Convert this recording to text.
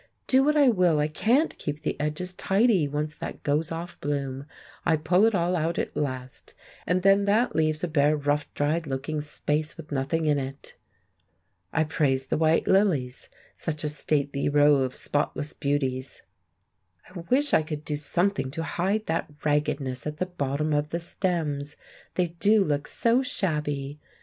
"Do what I will, I can't keep the edges tidy once that goes off bloom. I pull it all out at last, and then that leaves a bare rough dried looking space with nothing in it." I praise the white lilies—such a stately row of spotless beauty. "I wish I could do something to hide that raggedness at the bottom of the stems. They do look so shabby.